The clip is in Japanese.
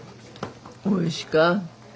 おいしか。